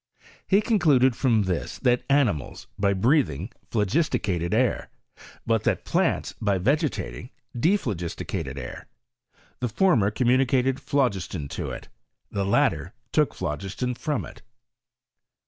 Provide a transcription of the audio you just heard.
He concluded from this that animals, by breathings, phlogisticated air, but that plants, by vegetating, de phlogisticated air : the former communicated phlo giston to it, the latter took phlogiston from it.